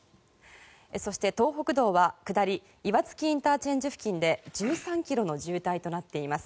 そして、東北道は下り、岩槻ＩＣ付近で１３ｋｍの渋滞となっています。